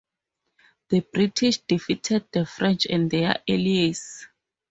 The British defeated the French and their allies.